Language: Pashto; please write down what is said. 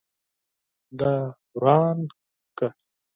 دا وران کړه